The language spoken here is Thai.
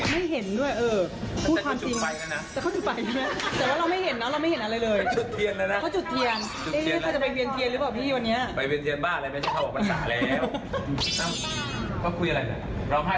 ไม่เห็น